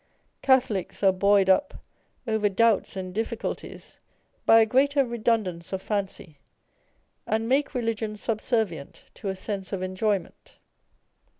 Catholics are buoyed up over doubts and difficulties by a greater redundance of fancy, and make religion subservient to a sense of enjoyment.